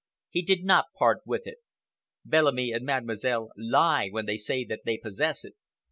He did not part with it. Bellamy and Mademoiselle lie when they say that they possess it.